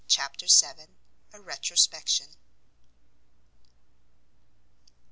CHAPTER vii. A RETROSPECTION.